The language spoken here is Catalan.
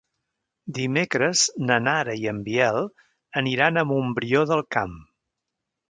Dimecres na Nara i en Biel aniran a Montbrió del Camp.